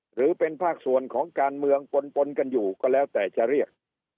หรือเป็นภาคส่วนของการเมืองปนปนกันอยู่ก็แล้วแต่จะเรียก